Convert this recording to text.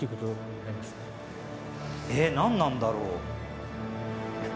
えっ何なんだろう？